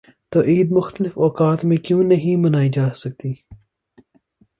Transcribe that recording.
تو عید مختلف اوقات میں کیوں نہیں منائی جا سکتی؟